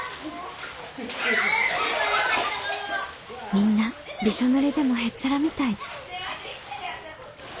みんなびしょぬれでもへっちゃらみたい。